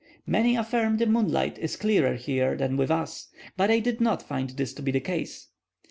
Many affirm the moonlight is clearer here than with us, but I did not find this to be the case.